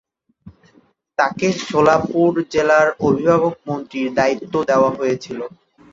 তাঁকে সোলাপুর জেলার অভিভাবক মন্ত্রীর দায়িত্বও দেওয়া হয়েছিল।